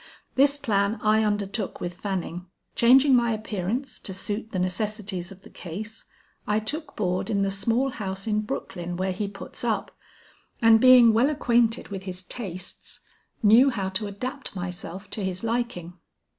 This plan, I undertook with Fanning. Changing my appearance to suit the necessities of the case, I took board in the small house in Brooklyn where he puts up, and being well acquainted with his tastes, knew how to adapt myself to his liking.